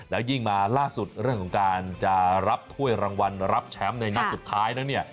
แล้วยิ่งมาล่าสุดเรื่องของการจะรับถ้วยรางวัลรับแชมป์ในนัดสุดท้ายแล้วเนี่ย